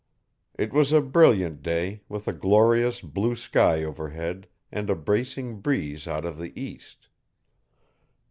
It was a brilliant day, with a glorious blue sky overhead and a bracing breeze out of the east.